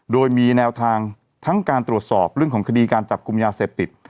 โดยมีแนวทางทั้งการตรวจสอบเรื่องของคดีการจับกลุ่มยาเสพติด